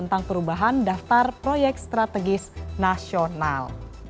nah pemerintah juga menetapkan proyek strategis nasional